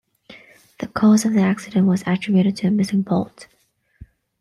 The cause of the accident was attributed to a missing bolt.